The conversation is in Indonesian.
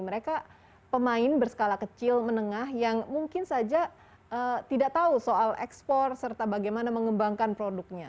mereka pemain berskala kecil menengah yang mungkin saja tidak tahu soal ekspor serta bagaimana mengembangkan produknya